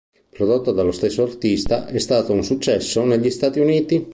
Prodotta dallo stesso artista, è stata un successo negli Stati Uniti.